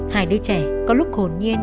hai đứa trẻ có lúc hồn nhiên